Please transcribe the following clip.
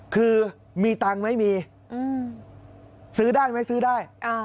คือมีตังค์ไม่มีซื้อได้ไหมซื้อได้